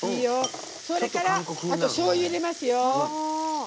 それから、あとしょうゆ入れますよ。